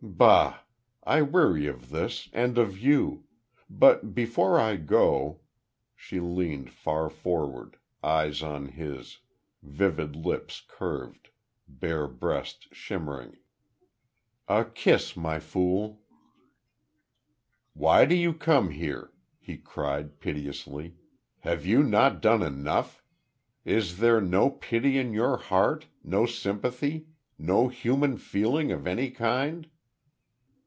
"Bah! I weary of this, and of you.... But before I go," she leaned far forward, eyes on his, vivid lips curved, bare breast shimmering, "a kiss, My Fool!" "Why do you come here?" he cried, piteously. "Have you not done enough? Is there no pity in your heart no sympathy no human feeling of any kind?"